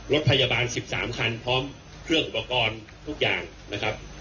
รถพยาบาล๑๓คันพร้อมเครื่องอุปกรณ์ทุกอย่างนะครับ